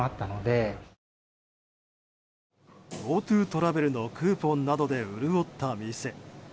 ＧｏＴｏトラベルのクーポンなどで潤った店。